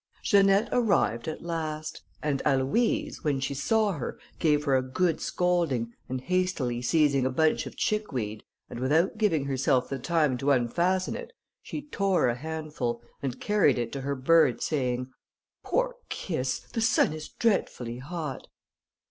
Janette arrived at last, and Aloïse, when she saw her, gave her a good scolding, and hastily seizing a bunch of chickweed, and without giving herself the time to unfasten it, she tore a handful, and carried it to her bird, saying, "Poor Kiss! the sun is dreadfully hot!"